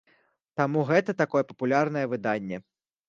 Таму гэта такое папулярнае выданне.